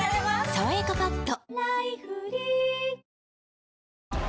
「さわやかパッド」